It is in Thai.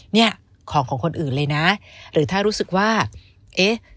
เนี่ยของของคนอื่นเลยนะหรือถ้ารู้สึกว่าเอ๊ะ